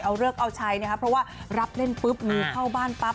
เอาเลิกเอาใช้นะครับเพราะว่ารับเล่นปุ๊บงูเข้าบ้านปั๊บ